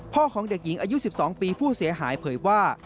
ของเด็กหญิงอายุ๑๒ปีผู้เสียหายเผยว่า